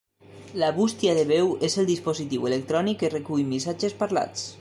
La bústia de veu és el dispositiu electrònic que recull missatges parlats.